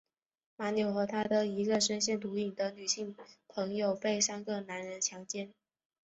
马纽和她的一个深陷毒瘾的女性朋友被三个男人强奸。